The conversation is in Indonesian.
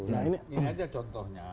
nah ini aja contohnya